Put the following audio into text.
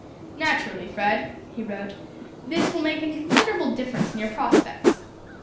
"Naturally, Fred," he wrote, "this will make a considerable difference in your prospects.